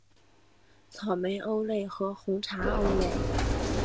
草莓欧蕾和红茶欧蕾